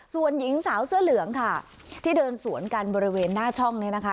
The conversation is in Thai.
ส่วนหญิงสาวเสื้อเหลืองค่ะที่เดินสวนกันบริเวณหน้าช่องนี้นะคะ